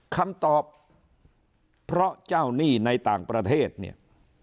คำตอบเพราะเจ้าหนี้ในต่างประเทศเนี่ย